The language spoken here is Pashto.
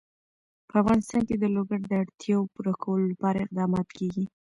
په افغانستان کې د لوگر د اړتیاوو پوره کولو لپاره اقدامات کېږي.